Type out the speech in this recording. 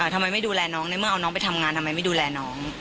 ทำไมไม่ดูแลน้องในเมื่อเอาน้องไปทำงานทำไมไม่ดูแลน้อง